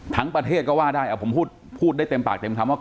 ประเทศก็ว่าได้ผมพูดได้เต็มปากเต็มคำว่า